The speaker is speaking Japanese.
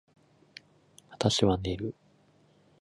私は寝る